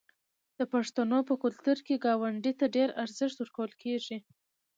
د پښتنو په کلتور کې ګاونډي ته ډیر ارزښت ورکول کیږي.